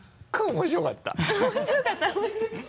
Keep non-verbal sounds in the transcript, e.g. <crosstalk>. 面白かった？ <laughs>